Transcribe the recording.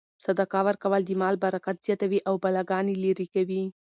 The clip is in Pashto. صدقه ورکول د مال برکت زیاتوي او بلاګانې لیرې کوي.